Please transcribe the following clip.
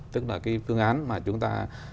tức là cái phương án mà chúng ta